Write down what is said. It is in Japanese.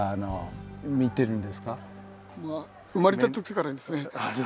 生まれた時からですね。